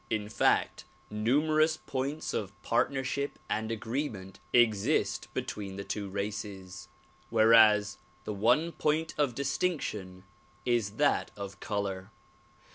In fact numerous points of partnership and agreement exist between the two races; whereas the one point of distinction is that of color.